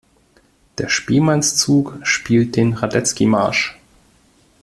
Der Spielmannszug spielt den Radetzky-Marsch.